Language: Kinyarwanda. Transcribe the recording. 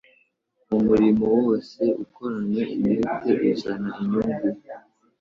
Umurimo wose ukoranywe umwete uzana inyungu